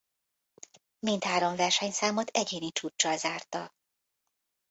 Mindhárom versenyszámot egyéni csúccsal zárta.